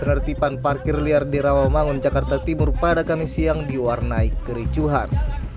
penertiban parkir liar di rawamangun jakarta timur pada kami siang diwarnai kericuhan